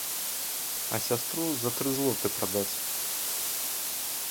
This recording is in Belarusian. А сястру за тры злоты прадаць.